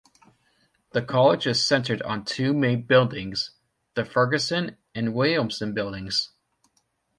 The College is centred on two main buildings: the Fergusson and Williamson Buildings.